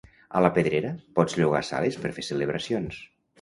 A la Pedrera, pots llogar sales per fer celebracions.